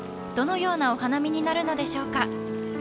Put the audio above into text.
どのようなお花見になるのでしょうか。